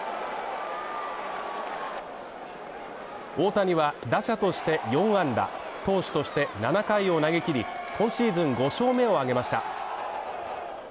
大谷は打者として４安打、投手として７回を投げ切り、本シーズン５勝目を挙げました。